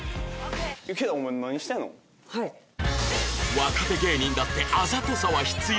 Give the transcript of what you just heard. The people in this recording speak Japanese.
若手芸人だってあざとさは必要？